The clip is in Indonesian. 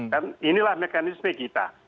dan inilah mekanisme kita